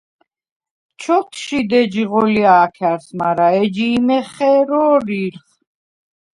ჩ’ოთშიდ ეჯი ღოლჲა̄ქარს, მარა ეჯი იმ ეხე̄რო̄ლიხ?